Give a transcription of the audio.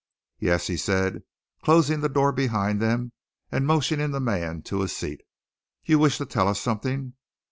"Yes?" he said, closing the door behind them and motioning the man to a seat. "You wish to tell us something!